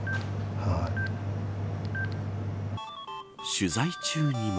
取材中にも。